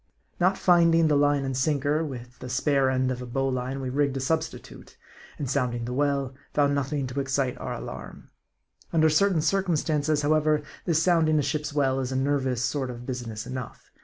80 M A R D I. Not finding the line and sinker, with the spare end of a bowline we rigged a substitute ; and sounding the well, found nothing to excite our alarm. Under certain circum stances, however, this sounding a ship's well is a nervous sort of business enough.